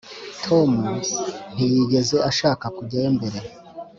tom ntiyigeze ashaka kujyayo mbere.